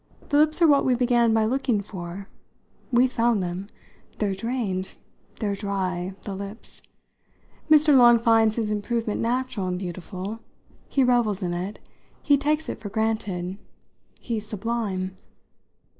The lips are what we began by looking for. We've found them. They're drained they're dry, the lips. Mr. Long finds his improvement natural and beautiful. He revels in it. He takes it for granted. He's sublime."